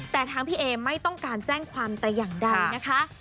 แต่ทางพี่เอไม่ต้องการแจ้งความแต่อย่างใดนะคะ